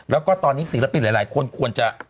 แล้วก็ตอนนี้ศิลปินหลายคนควรจะ